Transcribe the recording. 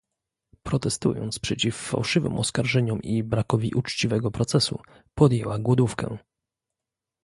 Protestując przeciw fałszywym oskarżeniom i brakowi uczciwego procesu, podjęła głodówkę